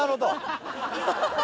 ハハハハ！